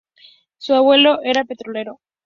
Su abuelo era petrolero.